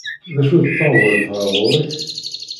D acu d taɣwalt ɣer ɣur-k?